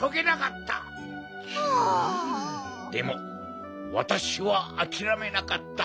でもわたしはあきらめなかった。